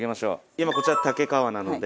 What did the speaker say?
今こちら武川なので。